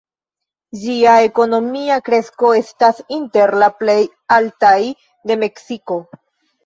Ĝia ekonomia kresko estas inter la plej altaj de Meksiko.